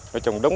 nói chung đúng